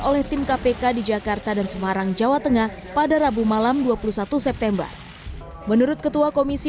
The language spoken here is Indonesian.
oleh tim kpk di jakarta dan semarang jawa tengah pada rabu malam dua puluh satu september menurut ketua komisi